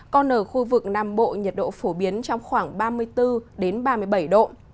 còn ở khu vực nam bộ nhiệt độ phổ biến trong khoảng ba mươi bốn ba mươi bảy độ